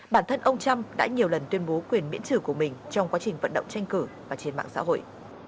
bản thân ông trump đã nhiều lần tuyên bố quyền miễn trừ của mình trong quá trình vận động tranh cử và trên mạng xã hội